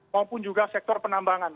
maupun juga sektor penambangan